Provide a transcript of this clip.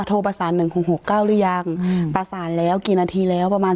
โทรประสานหนึ่งหกหกเก้าหรือยังอืมประสานแล้วกี่นาทีแล้วประมาณ